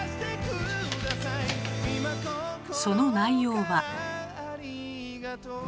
その内容は。